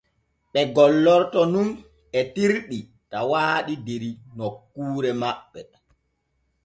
Ɓe gollorto nun etirɗi tawaaɗi der nokkuure maɓɓe.